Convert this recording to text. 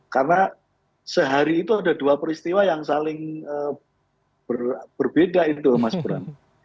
karena sehari itu ada dua peristiwa yang saling berbeda itu mas budam